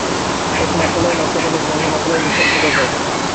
এক মাতালের মাৎলামি দেখে অন্য মাতালের নেশা ছুটে যায়।